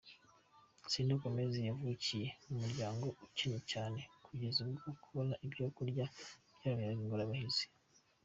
Selena Gomez, yavukiye mu muryango ukennye cyane, kugeza ubwo kubona ibyo barya byababeraga ingorabahizi.